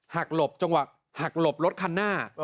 หลบจังหวะหักหลบรถคันหน้า